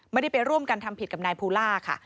ไม่ได้ไปร่วมกันทำผิดกับนายภูล่าค่ะ